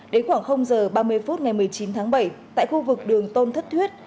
đến khoảng h ba mươi phút ngày một mươi chín tháng bảy tại khu vực đường tôn thất thuyết